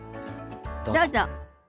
どうぞ。